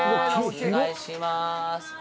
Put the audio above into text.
お願いします